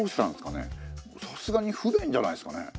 さすがに不便じゃないですかね？